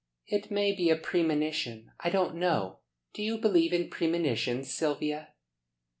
"It may be a premonition, I don't know. Do you believe in premonitions, Sylvia?"